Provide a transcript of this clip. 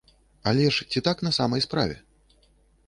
Але ж ці так на самай справе?